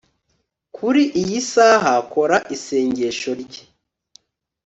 kuri iyi saha kora isengesho rye